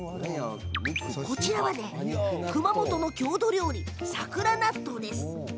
こちらは、熊本の郷土料理さくら納豆です。